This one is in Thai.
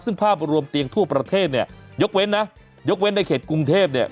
ซึ่งภาพรวมเตียงทั่วประเทศเนี่ยยกเว้นนะยกเว้นในเขตกรุงเทพเนี่ย